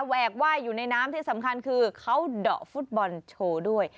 แวกไหว้อยู่ในน้ำที่สำคัญคือเขาเดาะฟุตบอลโชว์ด้วย